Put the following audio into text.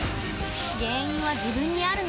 原因は自分にある。